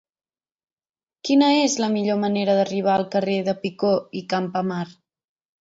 Quina és la millor manera d'arribar al carrer de Picó i Campamar?